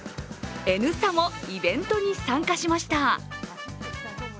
「Ｎスタ」もイベントに参加しました。